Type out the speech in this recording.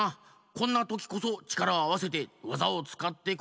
こんなときこそちからをあわせてわざをつかってここからでる！